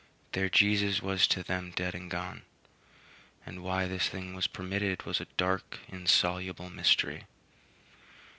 Their Jesus was to them dead and gone; and why this thing was permitted was a dark, insoluble mystery.